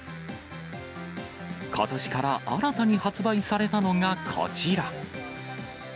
ことしから新たに発売されたのがこちら。